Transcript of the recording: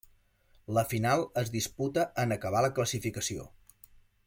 La final es disputa en acabar la classificació.